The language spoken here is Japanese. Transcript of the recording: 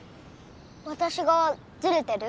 わたしがズレてる？